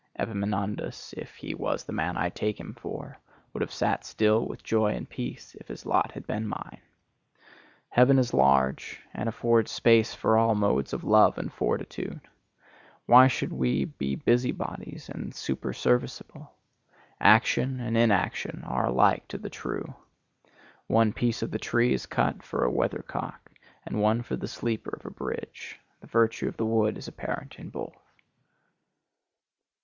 Epaminondas, if he was the man I take him for, would have sat still with joy and peace, if his lot had been mine. Heaven is large, and affords space for all modes of love and fortitude. Why should we be busybodies and superserviceable? Action and inaction are alike to the true. One piece of the tree is cut for a weathercock and one for the sleeper of a bridge; the virtue of the wood is apparent in both.